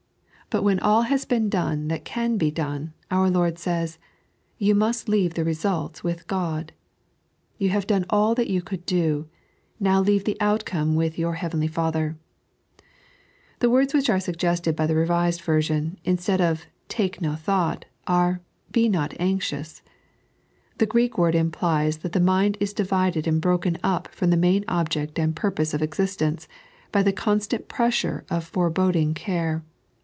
But when all has been 3.n.iized by Google 156 The Lesson op Bieds akd Fwwbes. done that can be done, our Lord says :" You must leave the resulte with God : you have done all that you could do ; now leave the outcome with your heavenly Father," The words which are suggested by the BeviBed Version, instead of "Take no thought," are "Be not anxious." The Greek word imj^ee that the mind is divided and broken up from the main object and purpose of existence, by the oouRtant pressure of foreboding care.